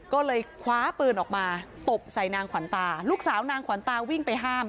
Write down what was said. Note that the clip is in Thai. ก็เลยคว้าปืนออกมาตบใส่นางขวัญตาลูกสาวนางขวัญตาวิ่งไปห้าม